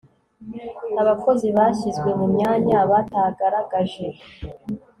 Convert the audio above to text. abakozi bashyizwe mu myanya batagaragaje